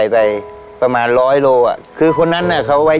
ไปไกลถึงไหนปู่